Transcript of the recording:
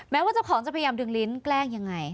ว่าเจ้าของจะพยายามดึงลิ้นแกล้งยังไง